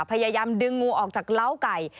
พยายามดึงงูออกจากเล้าไก่